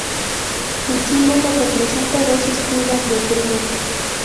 El símbolo representa dos espigas de trigo.